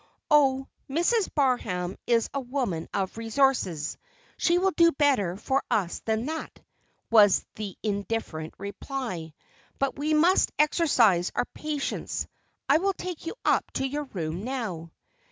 "Oh, Mrs. Barham is a woman of resources; she will do better for us than that," was the indifferent reply. "But we must exercise our patience. I will take you up to your room now."